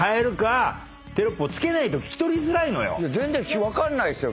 全然分かんないっすよ